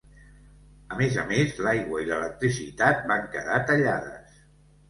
A més a més, l'aigua i l'electricitat van quedar tallades.